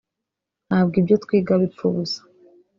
ntabwo ibyo twiga bipfa ubusa